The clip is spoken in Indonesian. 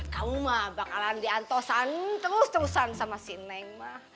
kamu mah bakalan diantosan terus terusan sama si nengma